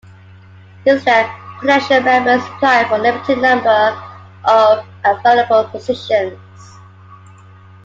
Instead, potential members apply for the limited number of available positions.